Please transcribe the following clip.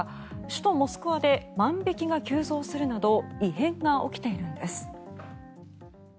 首都モスクワで万引きが急増するなど異変が起きているんです。